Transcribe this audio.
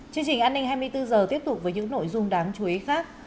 chương trình an ninh hai mươi bốn h tiếp tục với những nội dung đáng chú ý khác